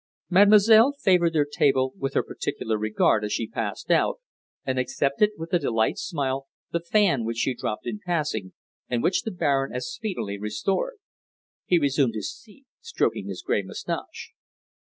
Mademoiselle favoured their table with her particular regard as she passed out, and accepted with a delightful smile the fan which she dropped in passing, and which the Baron as speedily restored. He resumed his seat, stroking his grey moustache.